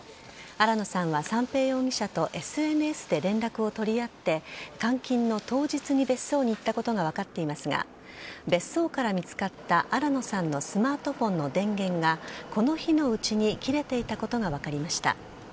新野さんは三瓶容疑者とＳＮＳで連絡を取り合って監禁の当日に別荘に行ったことが分かっていますが別荘から見つかった新野さんのスマートフォンの電源がこの日のうちに切れていたことが分かりました。